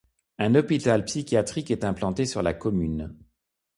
Un hôpital psychiatrique est implanté sur la commune.